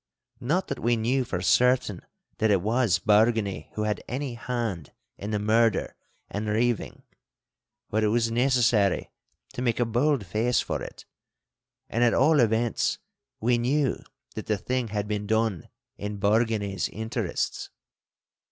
Not that we knew for certain that it was Bargany who had any hand in the murder and reiving. But it was necessary to make a bold face for it, and, at all events, we knew that the thing had been done in Bargany's interests.